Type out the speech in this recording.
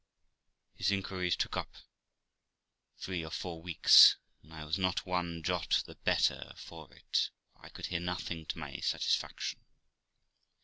These inquiries took us up three or four weeks, and I was not one jot the better for it, for I could hear nothing to my satisfaction.